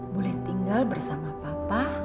boleh tinggal bersama papa